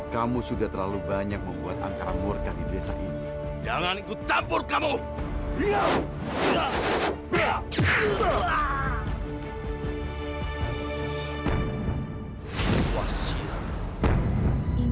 kamu harus menyembah bahwa aku demikian